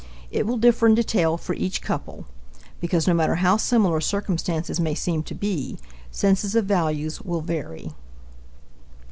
It will differ in detail for each couple, because no matter how similar circumstances may seem to be, senses of values will vary.